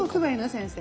先生。